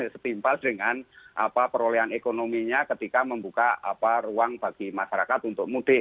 setimpal dengan perolehan ekonominya ketika membuka ruang bagi masyarakat untuk mudik